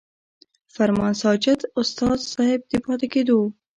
فرمان ساجد استاذ صېب د پاتې کېدو